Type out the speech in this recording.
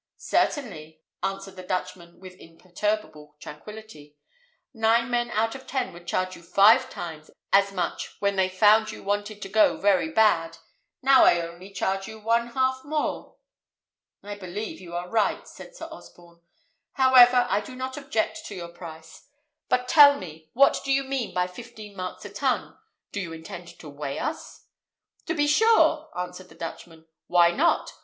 "Certainly," answered the Dutchman, with imperturbable tranquillity; "nine men out of ten would charge you five times as much when they found you wanted to go very bad, now I only charge you one half more." "I believe you are right," said Sir Osborne. "However, I do not object to your price; but tell me, what do you mean by fifteen marks a ton? Do you intend to weigh us?" "To be sure," answered the Dutchman; "why not?